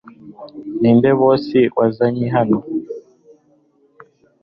ninde boss wazanye hano